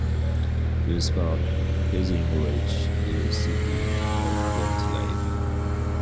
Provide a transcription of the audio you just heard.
The park has a rich diversity of plant life.